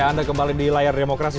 ya anda kembali di layar demokrasi